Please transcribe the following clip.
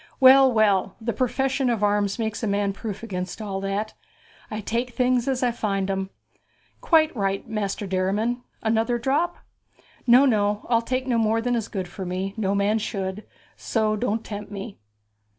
'Well, well, the profession of arms makes a man proof against all that. I take things as I find 'em.' 'Quite right, Master Derriman. Another drop?' 'No, no. I'll take no more than is good for me no man should; so don't tempt me.'